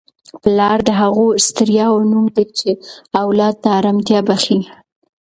پلار د هغو ستړیاوو نوم دی چي اولاد ته ارامتیا بخښي.